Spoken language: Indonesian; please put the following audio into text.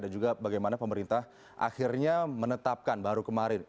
dan juga bagaimana pemerintah akhirnya menetapkan baru kemarin